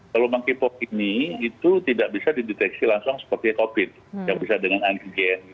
kalau monkeypox ini itu tidak bisa dideteksi langsung seperti covid yang bisa dengan antigen